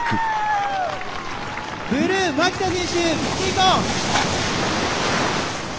ブルー牧田選手。